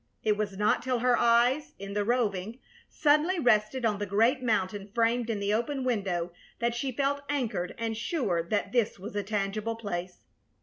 It was not till her eyes, in the roving, suddenly rested on the great mountain framed in the open window that she felt anchored and sure that this was a tangible place.